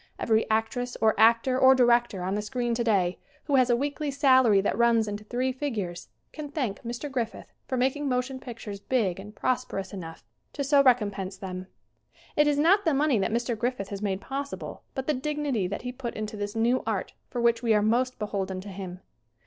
Every actress, or actor, or director, on the screen today, who has a weekly salary that runs into three figures, can thank Mr. Griffith for making motion pictures big and prosperous enough to so recompense them. It is not the money that Mr. Griffith has made possible, but the dignity that he put into this new art for which we are most beholden to him.